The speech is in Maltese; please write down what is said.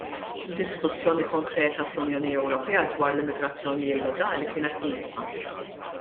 Id-diskussjoni konkreta fl-Unjoni Ewropea dwar l-immigrazzjoni llegali kienet nieqsa.